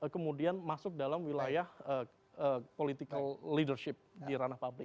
kemudian masuk dalam wilayah political leadership di ranah publik